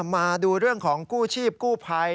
มาดูเรื่องของกู้ชีพกู้ภัย